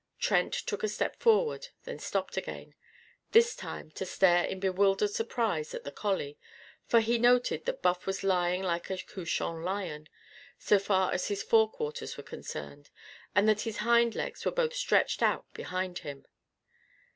Trent took a step forward, then stopped again; this time to stare in bewildered surprise at the collie. For he noted that Buff was lying like a couchant lion, so far as his forequarters were concerned, but that his hind legs were both stretched out straight behind him.